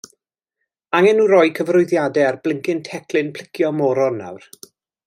Angen nhw rhoi cyfarwyddiadau ar blincin teclyn plicio moron nawr.